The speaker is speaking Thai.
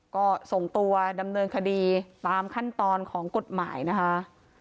ก็ส่งตัวดำเนินคดีตามขั้นตอนของกฎหมายนะคะ